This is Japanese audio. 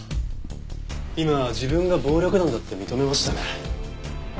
今自分が暴力団だって認めましたね。